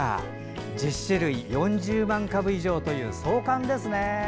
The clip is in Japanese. １０種類、４０万株以上という壮観ですね。